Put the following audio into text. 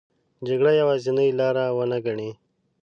جګړه یوازینې لار ونه ګڼي.